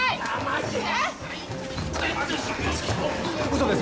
嘘です。